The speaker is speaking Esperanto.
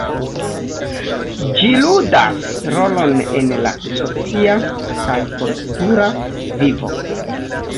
Ĝi ludas rolon en la socia kaj kultura vivo.